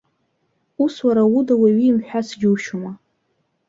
Ус уара уда уаҩы имҳәац џьушьома?!